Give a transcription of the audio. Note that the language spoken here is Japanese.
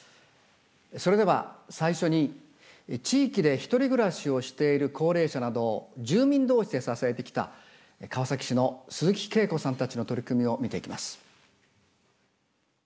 それでは最初に地域で１人暮らしをしている高齢者などを住民同士で支えてきた川崎市の鈴木恵子さんたちの取り組みを見ていきます。